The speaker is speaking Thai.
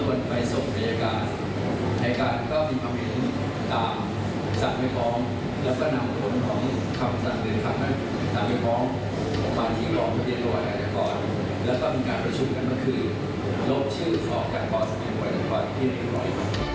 ลบชื่อของการปลอดภัยกว่า๑วันที่๑วัน